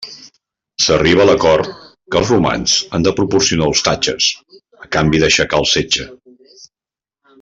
S'arriba a l'acord que els romans han de proporcionar ostatges, a canvi d'aixecar el setge.